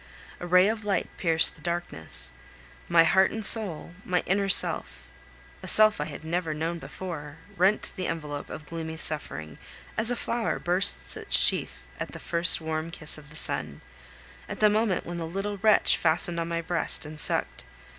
A ray of light pierced the darkness; my heart and soul, my inner self a self I had never known before rent the envelope of gloomy suffering, as a flower bursts its sheath at the first warm kiss of the sun, at the moment when the little wretch fastened on my breast and sucked.